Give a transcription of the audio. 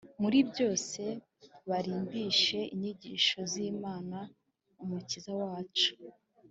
muri byose barimbishe inyigisho z’imana umukiza wacu